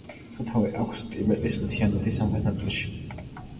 სათავე აქვს ტიბეტის მთიანეთის სამხრეთ ნაწილში.